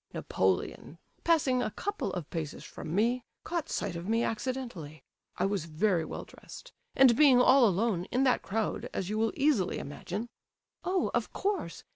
Napoleon, passing a couple of paces from me, caught sight of me accidentally. I was very well dressed, and being all alone, in that crowd, as you will easily imagine..." "Oh, of course!